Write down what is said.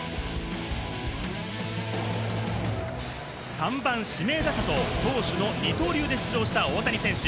３番・指名打者と投手の二刀流で出場した大谷選手。